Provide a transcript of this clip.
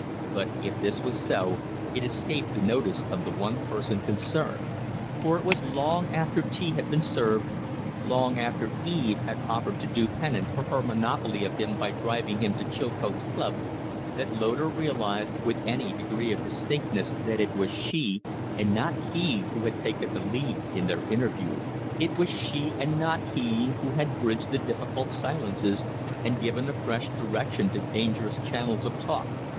But if this was so, it escaped the notice of the one person concerned; for it was long after tea had been served, long after Eve had offered to do penance for her monopoly of him by driving him to Chilcote's club, that Loder realized with any degree of distinctness that it was she and not he who had taken the lead in their interview; that it was she and not he who had bridged the difficult silences and given a fresh direction to dangerous channels of talk.